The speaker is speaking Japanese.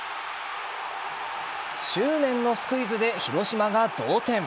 執念のスクイズで広島が同点。